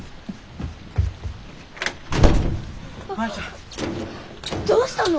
マヤちゃん。どうしたの？